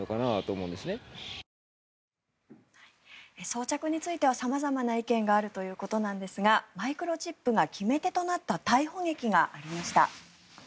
装着については様々な意見があるということなんですがマイクロチップが決め手となった逮捕劇がありました。